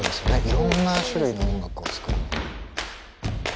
いろんな種類の音楽を作る。